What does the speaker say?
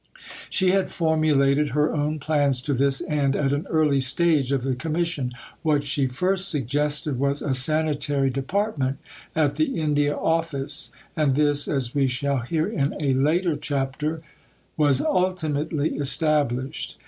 She had formulated her own plans to this end at an early stage of the Commission. What she first suggested was a Sanitary Department at the India Office, and this, as we shall hear in a later chapter (p. 153), was ultimately established.